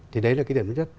thì đấy là cái điểm nhất